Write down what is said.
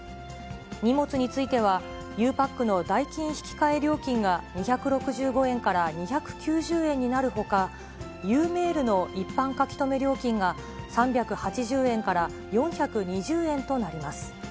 荷物については、ゆうパックの代金引換料金が２６５円から２９０円になるほか、ゆうメールの一般書留料金が３８０円から４２０円となります。